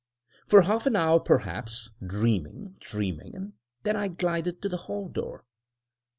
For half an hour perhaps — dreaming, dreaming: and then I glided to the hall door.